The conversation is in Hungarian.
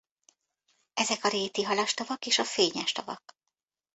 Ezek a Réti-halastavak és a Fényes-tavak.